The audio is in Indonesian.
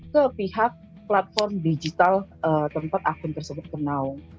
ke pihak platform digital tempat akun tersebut kenal